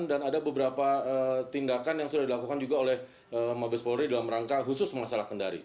dan ada beberapa tindakan yang sudah dilakukan juga oleh mobes polri dalam rangka khusus masalah kendari